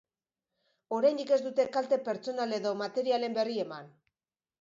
Oraindik ez dute kalte pertsonal edo materialen berri eman.